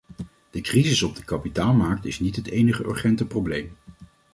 De crisis op de kapitaalmarkt is niet het enige urgente probleem.